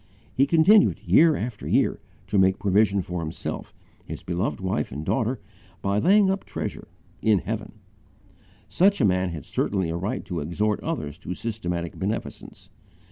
He continued, year after year, to make provision for himself, his beloved wife and daughter, by laying up treasure in heaven. Such a man had certainly a right to exhort others to systematic beneficence.